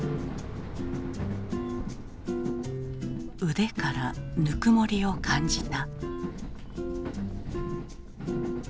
腕からぬくもりを感じた。